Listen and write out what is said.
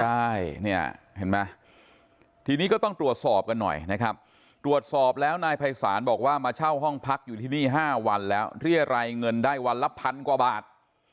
ใช่เนี่ยเห็นไหมทีนี้ก็ต้องตรวจสอบกันหน่อยนะครับตรวจสอบแล้วนายภัยศาลบอกว่ามาเช่าห้องพักอยู่ที่นี่๕วันแล้วเรียรายเงินได้วันละพันกว่าบาท